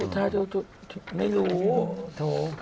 ถ้าเธอไม่รู้โถ่